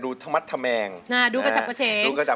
ร้องได้ให้ล้านกับพวกเราค่ะ